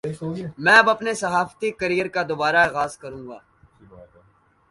میں اب اپنے صحافتی کیریئر کا دوبارہ آغاز کرونگی